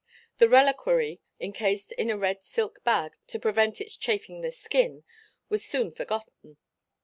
The reliquary encased in a red silk bag to prevent its chafing the skin was soon forgotten.